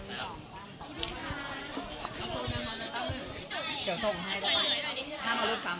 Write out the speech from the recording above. เดี๋ยวทีวียังไม่ได้เปลี่ยน